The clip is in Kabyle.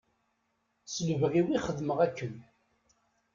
S lebɣi-w i xedmeɣ akken.